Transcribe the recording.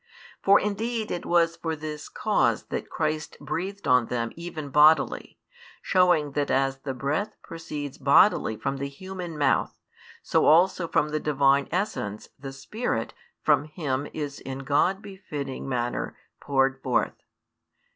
For indeed it was for this cause that Christ breathed on them even bodily, showing that as the breath proceeds bodily from the human mouth, so also from the Divine essence the [Spirit] from Him is in God befitting manner poured forth.